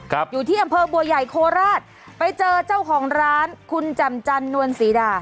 อยู่ที่อำเภอบัวใหญ่โคราชไปเจอเจ้าของร้านคุณจำจันนวลศรีดา